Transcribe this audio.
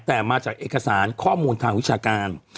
แต่มาจากเอกสารข้อมูลทางวิชาการ